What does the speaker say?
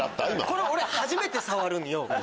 これ俺初めて触るんよ。